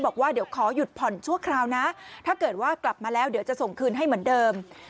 บอกว่าเดี๋ยวขอหยุดผ่อนชั่วคราวนะถ้าเกิดว่ากลับมาแล้วเดี๋ยวจะส่งคืนให้เหมือนเดิม